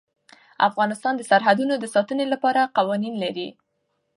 افغانستان د سرحدونه د ساتنې لپاره قوانین لري.